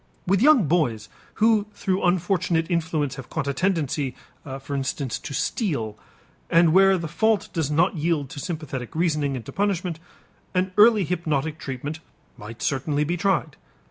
With young boys who through unfortunate influence have caught a tendency, for instance, to steal, and where the fault does not yield to sympathetic reasoning and to punishment, an early hypnotic treatment might certainly be tried.